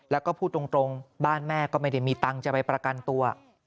แล้วก็พูดตรงบ้านแม่ก็ไม่ได้มีตังค์จะไปประกันตัว